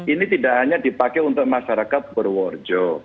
ini tidak hanya dipakai untuk masyarakat purworejo